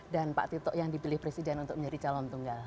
dan pak tito yang dipilih presiden untuk menjadi calon tunggal